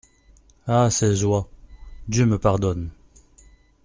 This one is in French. À ses oies, Dieu me pardonne !